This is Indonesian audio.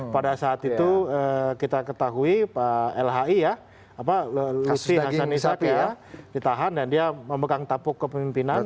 pada saat itu kita ketahui pak lhi ya lutfi hasan ishak ya ditahan dan dia memegang tapuk kepemimpinan